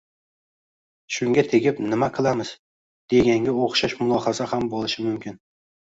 shunga tegib nima qilamiz 🙃 deganga oʻxshash mulohaza ham boʻlishi mumkin